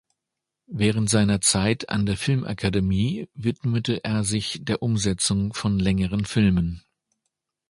Während seiner Zeit an der Filmakademie widmete er sich der Umsetzung von längeren Filmen.